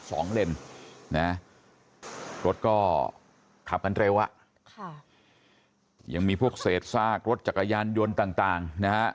สองเลน่ะรถก็ขับกันเร็วอ่ะค่ะยังมีพวกเศษสากรถจักรยานยนต์ต่าง